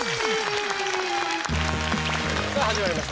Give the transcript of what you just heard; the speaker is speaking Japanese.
さあ始まりました